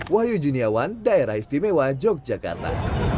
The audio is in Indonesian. wahyu juniawan daerah istimewa yogyakarta